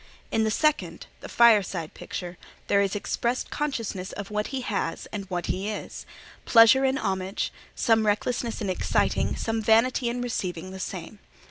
In the second, the fireside picture, there is expressed consciousness of what he has and what he is; pleasure in homage, some recklessness in exciting, some vanity in receiving the same.